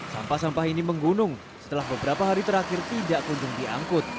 sampah sampah ini menggunung setelah beberapa hari terakhir tidak kunjung diangkut